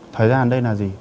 thời gian đây là gì